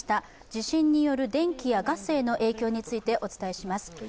地震による電気やガスへの影響についてお伝えします。